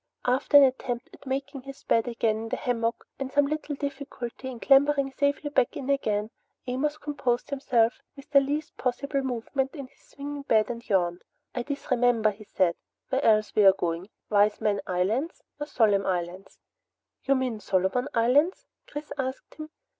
After an attempt at making his bed again in the hammock, and some little difficulty in clambering safely back in again, Amos composed himself with the least possible movement in his swinging bed and yawned. "I disremember," he said, "where else we're going. Wise Man islands, or Solemn Islands " "You mean, Solomon Islands?" Chris asked him.